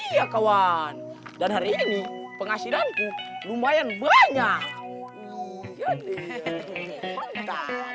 iya kawan dan hari ini penghasilanku lumayan banyak